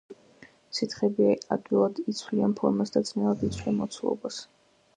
სითხეები ადვილად იცვლიან ფორმას და ძნელად იცვლიან მოცულობას.